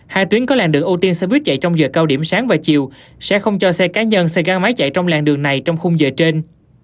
hai tuyến có làng đường ưu tiên xe buýt chạy trong giờ cao điểm sáng và chiều sẽ không cho xe cá nhân xe gắn máy chạy trong làng đường này trong khung giờ trên